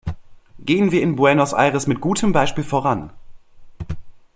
Gehen wir in Buenos Aires mit gutem Beispiel voran!